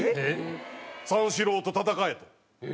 「三四郎と戦え」と。